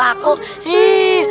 alah palingan dia juga nangis